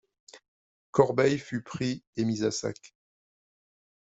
Corbeil fut pris et mis à sac.